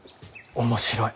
面白い。